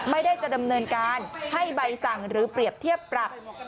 ไม่ได้จะดำเนินการให้ใบสั่งหรือเปรียบเทียบปรับ